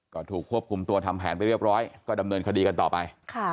ก็ถูกควบคุมตัวทำแผนไปเรียบร้อยก็ดำเนินคดีกันต่อไป